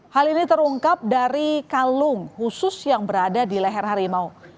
hal ini terungkap dari kalung khusus yang berada di leher harimau